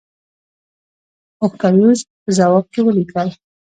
اوکتایوس په ځواب کې ولیکل